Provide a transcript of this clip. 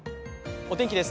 お天気です。